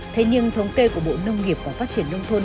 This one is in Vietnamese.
thế nhưng thống kê của bộ nông nghiệp và phát triển nông thôn